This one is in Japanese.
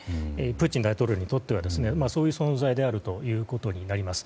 プーチン大統領にとってはそういう存在であるということになります。